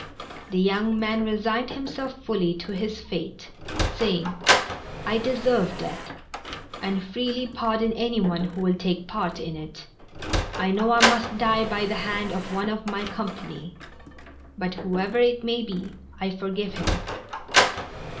The young man resigned himself fully to his fate, saying: "I deserve death, and freely pardon anyone who will take part in it. I know I must die by the hand of one of my company, but whoever it may be I forgive him."